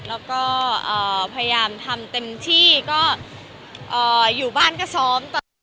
แล้วก็พยายามทำเต็มที่ก็อยู่บ้านก็ซ้อม